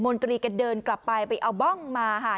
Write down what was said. มนตรีกันเดินกลับไปไปเอาบ้องมา